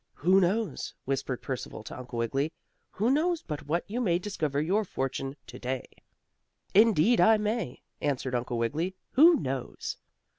"Who knows," whispered Percival to Uncle Wiggily, "who knows but what you may discover your fortune to day?" "Indeed I may," answer Uncle Wiggily. "Who knows?"